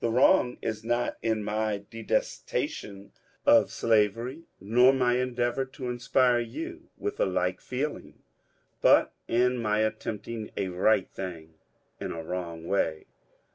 The wrong is not in my detestation of slavery, nor my endeavour to inspire you witih a like feel ing, but in my attempting a right thing in a wrong way.